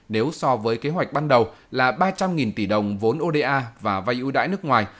nếu so với kế hoạch ban đầu là ba trăm linh tỷ đồng vốn oda và vay ưu đãi nước ngoài